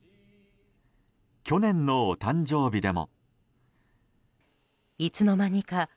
去年のお誕生日でも。